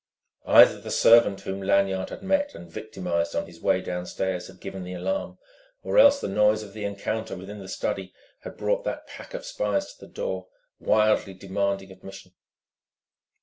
Either the servant whom Lanyard had met and victimised on his way downstairs had given the alarm, or else the noise of the encounter within the study had brought that pack of spies to the door, wildly demanding admission.